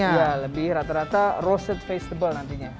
ya lebih rata rata roasted vegetable nantinya